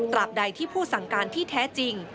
บใดที่ผู้สั่งการที่แท้จริง